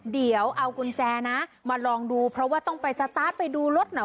เดี๋ยวเอากุญแจนะมาลองดูเพราะว่าต้องไปสตาร์ทไปดูรถหน่อย